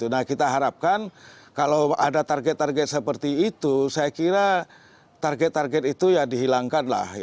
nah kita harapkan kalau ada target target seperti itu saya kira target target itu ya dihilangkan lah